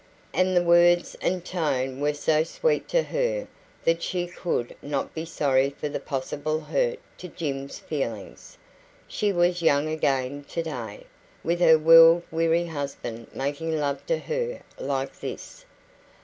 And the words and tone were so sweet to her that she could not be sorry for the possible hurt to Jim's feelings. She was young again today, with her world weary husband making love to her like this.